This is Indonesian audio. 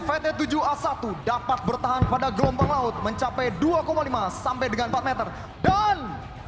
water jump lvt tujuh a satu dapat bertahan pada gelombang laut mencapai dua lima sampai dengan empat meter dan